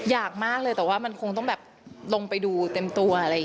อยากมากเลยแต่ว่ามันคงต้องดูเต็มตัว